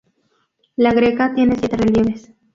La greca tiene siete relieves.